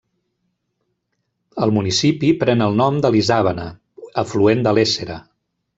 El municipi pren el nom de l'Isàvena, afluent de l'Éssera.